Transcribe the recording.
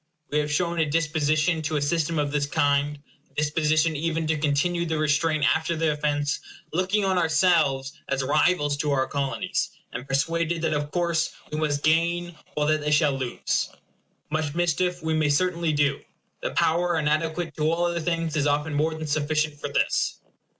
We have shown a disposition to a system of this kind, a disposition even to continue the restraint after the offence, looking on ourselves as rivals to our Colonies, and persuaded that of course we must gain all that they shall lose. Much mischief we may certainly do. The power inadequate to all other things is often more than sufficient for this.